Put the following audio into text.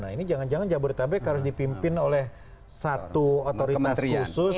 nah ini jangan jangan jabodetabek harus dipimpin oleh satu otoritas khusus